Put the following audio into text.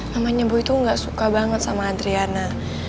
mamanya boy tuh gak suka banget sama adriana